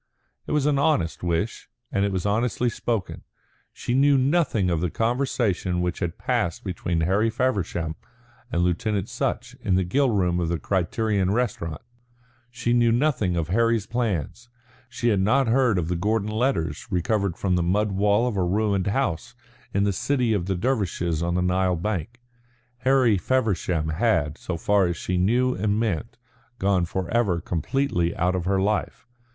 It was an honest wish, and it was honestly spoken. She knew nothing of the conversation which had passed between Harry Feversham and Lieutenant Sutch in the grill room of the Criterion Restaurant; she knew nothing of Harry's plans; she had not heard of the Gordon letters recovered from the mud wall of a ruined house in the city of the Dervishes on the Nile bank. Harry Feversham had, so far as she knew and meant, gone forever completely out of her life.